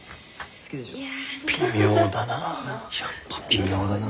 微妙だな。